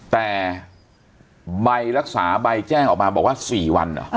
แต่ใบรักษาใบแจ้งออกมาบอกว่า๔วันเหรอ